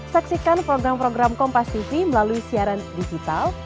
saksikan program program kompas tv melalui siaran digital